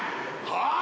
はあ！？